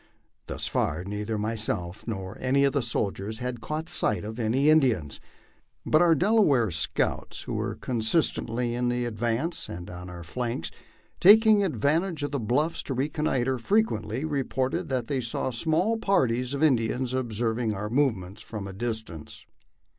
Thus far, neither myself nor any of the soldiers had caught sight of any Indians ; but our Delaware scouts, who were constantly in the advance and on our flanks, taking advantage of the bluffs to reconnoitre, frequently reported that they saw small parties of Indians observing our move ments from a distance.